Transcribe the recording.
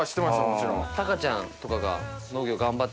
もちろん。